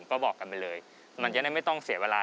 ก็บอกกันไปเลยมันจะได้ไม่ต้องเสียเวลา